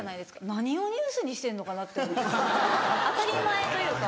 何をニュースにしてるのかなと当たり前というか。